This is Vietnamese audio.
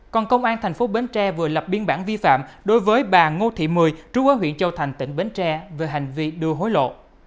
còn công an thành phố bến tre vừa lập biên bản vi phạm đối với bà ngô thị mười trú ở huyện châu thành tỉnh bến tre về hành vi đưa hối lộ